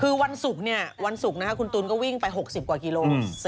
คือวันศุกร์เนี่ยวันศุกร์คุณตูนก็วิ่งไป๖๐กว่ากิโล